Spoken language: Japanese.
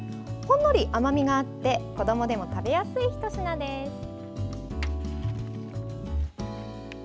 ほんのり甘みがあって子どもでも食べやすいひと品です。